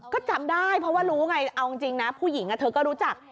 ก็จำได้เพราะว่ารู้ไงเอาจริงนะผู้หญิงเธอก็รู้จัก